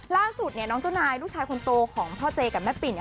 ล่าสุดเนี่ยน้องเจ้านายลูกชายคนโตของพ่อเจกับแม่ปิ่นเนี่ย